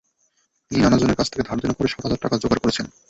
তিনি নানাজনের কাছ থেকে ধারদেনা করে সাত হাজার টাকা জোগাড় করেছেন।